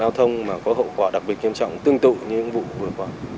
giao thông mà có hậu quả đặc biệt nghiêm trọng tương tự như những vụ vừa qua